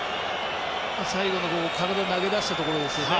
最後のほう体を投げ出したところですね。